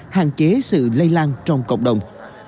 hạn chế sự lây lan trong cộng đồng